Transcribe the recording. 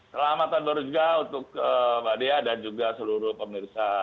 selamat tahun baru juga untuk mbak dea dan juga seluruh pemirsa tnn